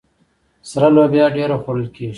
سره لوبیا ډیره خوړل کیږي.